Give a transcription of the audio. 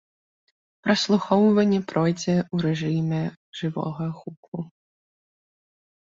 Праслухоўванне пройдзе ў рэжыме жывога гуку.